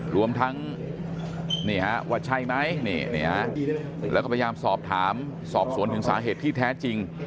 รวมทั้งว่าใช่ไหมแล้วก็พยายามสอบถามสอบสวนถึงสาเหตุที่แท้จริง